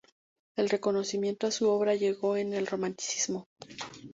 El reconocimiento a su obra llegó en el romanticismo.